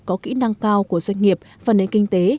có kỹ năng cao của doanh nghiệp và nền kinh tế